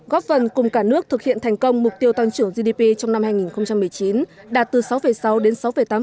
góp phần cùng cả nước thực hiện thành công mục tiêu tăng trưởng gdp trong năm hai nghìn một mươi chín đạt từ sáu sáu đến sáu tám